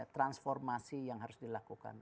transformasi yang harus dilakukan